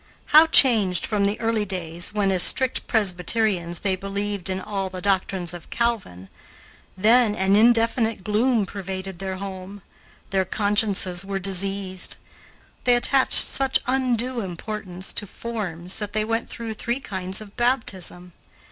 How changed from the early days when, as strict Presbyterians, they believed in all the doctrines of Calvin! Then, an indefinite gloom pervaded their home. Their consciences were diseased. They attached such undue importance to forms that they went through three kinds of baptism.